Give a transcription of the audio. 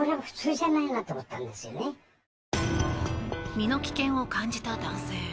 身の危険を感じた男性。